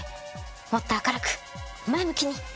もっと明るく前向きに！